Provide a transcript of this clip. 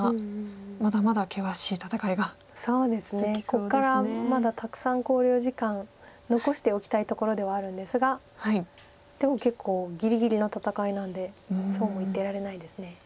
ここからまだたくさん考慮時間残しておきたいところではあるんですがでも結構ぎりぎりの戦いなんでそうも言ってられないです。